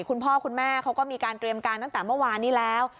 คุณพ่อคุณแม่เขาก็มีการเตรียมการตั้งแต่เมื่อวานนี้แล้ว